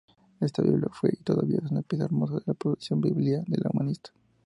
Esta Biblia, fue y todavía es una pieza hermosa de traducción Biblia y humanista.